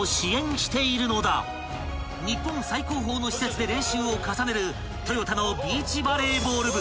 ［日本最高峰の施設で練習を重ねるトヨタのビーチバレーボール部］